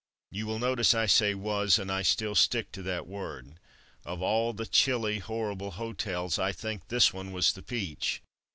You will notice I say "was,'' and I still stick to that word. Of all the chilly, horrible hotels, I think this one was the peach.